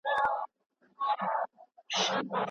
ټوله کورنۍ د تره په خبرو باندې وخندل.